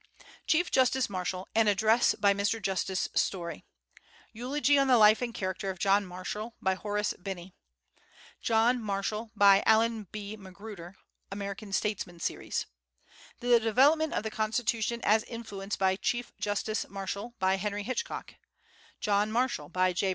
Chief Justice Marshall: an address by Mr. Justice Story; Eulogy on the life and character of John Marshall, by Horace Binney; John Marshall, by Allan B. Magruder (American Statesmen Series); The Development of the Constitution as influenced by Chief Justice Marshall, by Henry Hitchcock; John Marshall, by J.